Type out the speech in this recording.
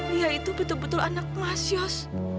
lia itu betul betul anak mas yus